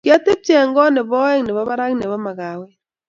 Kiatepchei eng koot nebo aeng nebo barak nebo mkaweet